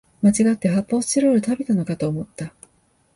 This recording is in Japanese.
まちがって発泡スチロール食べたのかと思った